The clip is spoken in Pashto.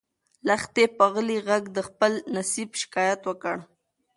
لښتې په غلي غږ د خپل نصیب شکایت وکړ.